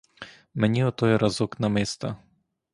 Мені отой разок намиста.